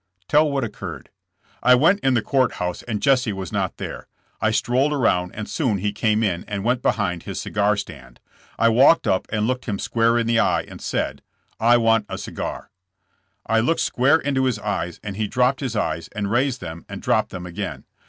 "Tell what occurred." "I went in the court house and Jesse was not there. I strolled around and soon he came in and went behind his cigar stand. I walked up and looked him square in the eye and said: "1 want a cigar." "I looked square into his eyes and he dropped his eyes and raised them and dropped them again.